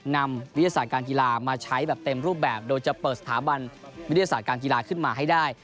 นำวิทยาศาสตร์การกีฬามาใช้แบบเต็มรูปแบบโดยจะเปิดสถาบันวิทยาศาสตร์การกีฬาขึ้นมาให้ได้